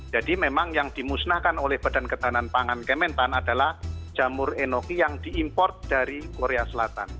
jadi memang yang dimusnahkan oleh badan ketahanan pangan kementan adalah jamur enoki yang diimport dari korea selatan